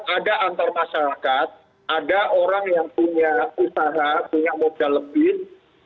ada antar masyarakat ada orang yang punya usaha punya modal lebih